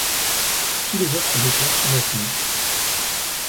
Tous les autres moteurs sont maintenus.